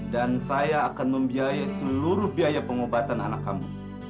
dan saya akan membiayai seluruh biaya pengobatan anak kamu